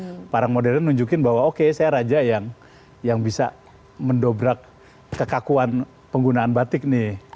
tapi itu memang menunjukkan bahwa oke saya raja yang bisa mendobrak kekakuan penggunaan batik nih